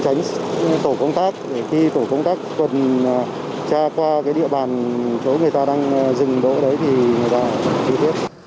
tránh tổ công tác khi tổ công tác quần tra qua địa bàn chỗ người ta đang dừng đỗ đấy thì người ta đi tiếp